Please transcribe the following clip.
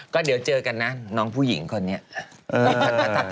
ก็เดี๋ยวเจอกันนะน้องผู้หญิงคนนี้